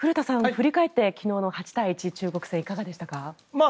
振り返って昨日の８対１中国戦いかがでしたか？